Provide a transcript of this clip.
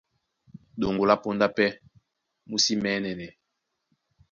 Ɗoŋgo lá póndá pɛ́ mú sí mɛ̌nɛnɛ.